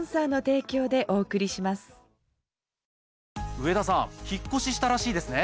上田さん引っ越ししたらしいですね？